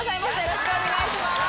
よろしくお願いします。